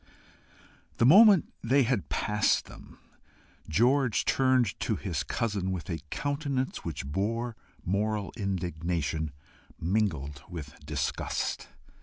The moment they had passed them, George turned to his cousin with a countenance which bore moral indignation mingled with disgust.